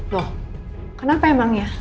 loh kenapa emangnya